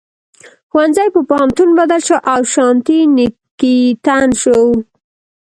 ښوونځي په پوهنتون بدل شو او شانتي نیکیتن شو.